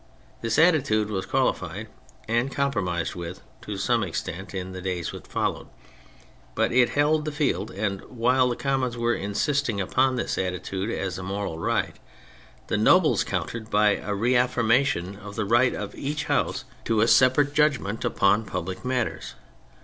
This attitude was qualified and compromised with to some extent in the days that fol lowed, but it held the field, and while the Commons were insisting upon this attitude as a moral right, the Nobles countered by a reafiirmation of the right of each House to a THE PHASES 87 separate judgment upon public matters.